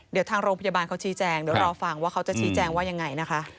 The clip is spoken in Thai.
เดี๋ยวทางโรงพยาบาลเขาชี้แจงเดี๋ยวรอฟังว่าเขาจะชี้แจงว่ายังไงนะคะ